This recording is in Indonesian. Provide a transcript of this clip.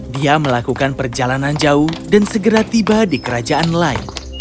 dia melakukan perjalanan jauh dan segera tiba di kerajaan lain